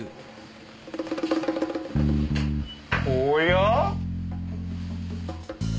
おや？